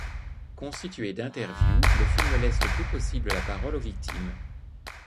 Constitué d'interviews, le film laisse le plus possible la parole aux victimes.